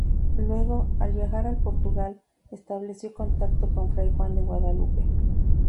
Luego, al viajar al Portugal, estableció contacto con fray Juan de Guadalupe.